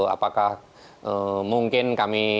apakah mungkin kami